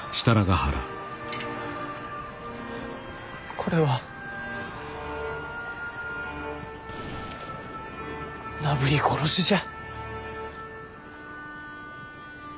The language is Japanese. これはなぶり殺しじゃ。